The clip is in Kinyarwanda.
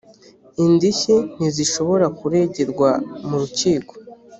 indishyi ntizishobora kuregerwa mu rukiko